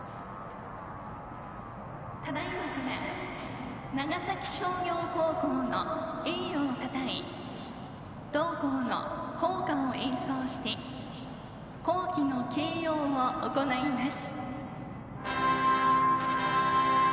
ただいまから長崎商業高校の栄誉をたたえ、同校の校歌を演奏して校旗の掲揚を行います。